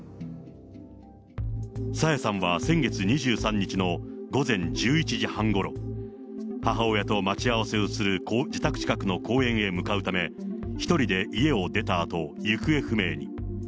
朝芽さんは先月２３日の午前１１時半ごろ、母親と待ち合わせをする自宅近くの公園へ向かうため、１人で家を出たあと行方不明に。